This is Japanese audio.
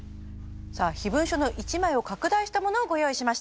さあ秘文書の１枚を拡大したものをご用意しました。